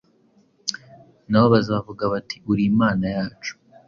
Na bo bazavuga bati ‘Uri Imana yacu.’”